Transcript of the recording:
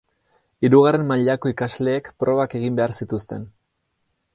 Hirugarren mailako ikasleek probak egin behar zituzten.